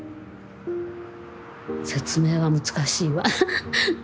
説明は難しいわ。